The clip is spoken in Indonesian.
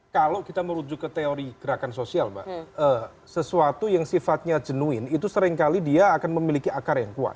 kalau kita merujuk ke teori gerakan sosial mbak sesuatu yang sifatnya jenuin itu seringkali dia akan memiliki akar yang kuat